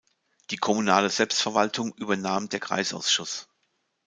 Die kommunale Selbstverwaltung übernahm der Kreisausschuss.